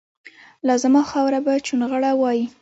لازما خاوره به چونغره وایي